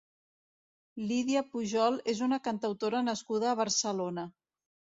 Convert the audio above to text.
Lídia Pujol és una cantautora nascuda a Barcelona.